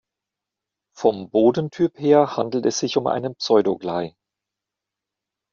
Vom Bodentyp her handelt es sich um einen Pseudogley.